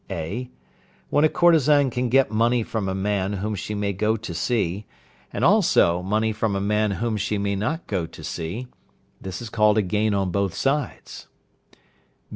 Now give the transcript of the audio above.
(a). When a courtesan can get money from a man whom she may go to see, and also money from a man whom she may not go to see, this is called a gain on both sides.